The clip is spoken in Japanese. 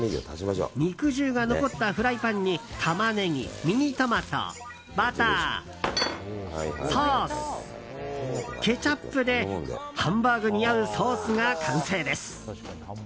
肉汁が残ったフライパンにタマネギ、ミニトマトバター、ソース、ケチャップでハンバーグに合うソースが完成です。